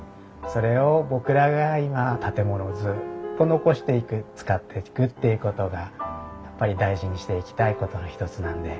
それを僕らが今建物をずっと残していく使っていくっていうことがやっぱり大事にしていきたいことの一つなんで。